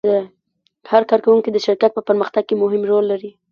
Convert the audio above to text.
هر کارکوونکی د شرکت په پرمختګ کې مهم رول لري.